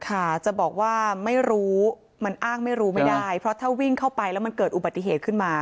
ค่ะจะบอกว่าไม่รู้มันอ้างไม่รู้ไม่ได้เพราะถ้าวิ่งเข้าไปแล้วมันเกิดอุบัติเหตุขึ้นมา